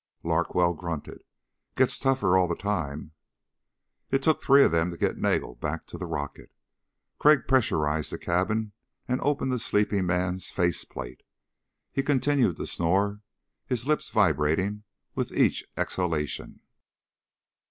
Larkwell grunted, "Gets tougher all the time." It took the three of them to get Nagel back to the rocket. Crag pressurized the cabin and opened the sleeping man's face plate. He continued to snore, his lips vibrating with each exhalation.